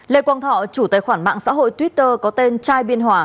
lê quang thọ chủ tài khoản mạng xã hội twitter có tên trai biên hòa